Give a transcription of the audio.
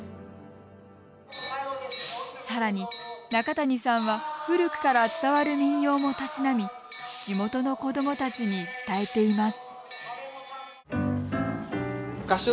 さらに中谷さんは古くから伝わる民謡もたしなみ地元の子どもたちに伝えています。